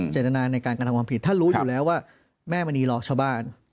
เจตนาในการกระทำความผิดท่านรู้อยู่แล้วว่าแม่มณีหลอกชาวบ้าน